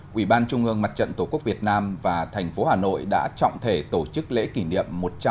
quỹ ban trung ương mặt trận tổ quốc việt nam và thành phố hà nội đã trọng thể tổ chức lễ kỷ niệm